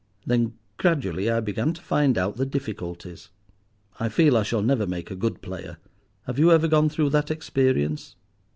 Then, gradually, I began to find out the difficulties. I feel I shall never make a good player. Have you ever gone through that experience?"